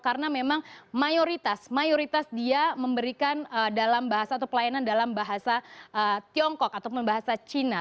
karena memang mayoritas mayoritas dia memberikan dalam bahasa atau pelayanan dalam bahasa tiongkok atau bahasa cina